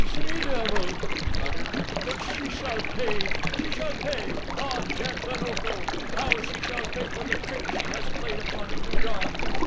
"The she devil!" he muttered; "but she shall pay, she shall pay ah, Jad ben Otho; how she shall pay for the trick she has played upon Lu don!"